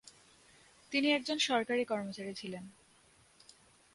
তিনি একজন সরকারী কর্মচারী ছিলেন।